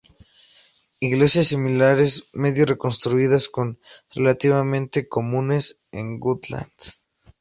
Iglesias similares, medio reconstruidas son relativamente comunes en Gotland.